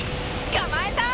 捕まえた！